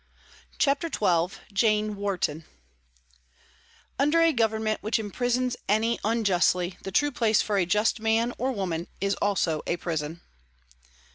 CHAPTER XII JANE WARTON "Under a Government which imprisons any unjustly, the true place for a just man (or woman) is also a prison."